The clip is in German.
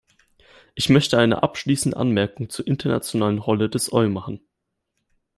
Ich möchte eine abschließende Anmerkung zur internationalen Rolle des Eumachen.